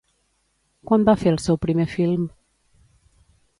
Quan va fer el seu primer film?